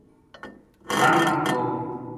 بن ما تھو